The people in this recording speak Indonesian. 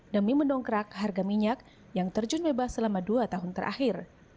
demi mendongkrak harga minyak yang terjun bebas selama dua tahun terakhir